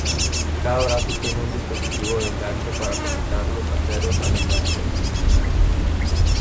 Cada brazo tiene un dispositivo de enganche para conectar los aperos al enganche.